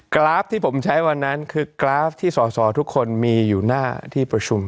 กราฟที่ผมใช้วันนั้นคือกราฟที่สอสอทุกคนมีอยู่หน้าที่ประชุม